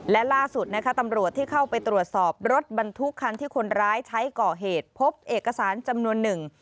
และล่าสุดนะคะตำรวจที่เข้าไปตรวจสอบรถบรรทุกคันที่คนร้ายใช้ก่อเหตุพบเอกสารจำนวนหนึ่ง